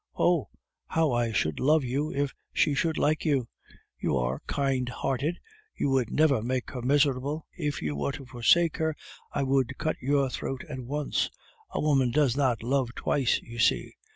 "Oh! how I should love you, if she should like you. You are kind hearted; you would never make her miserable. If you were to forsake her, I would cut your throat at once. A woman does not love twice, you see!